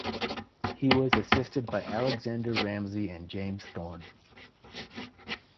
He was assisted by Alexander Ramsay and James Thorne.